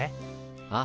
ああ。